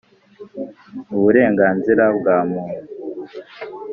Uburenganzira bwa Muntu